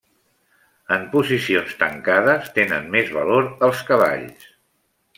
En posicions tancades, tenen més valor els cavalls.